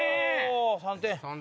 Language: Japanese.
３点！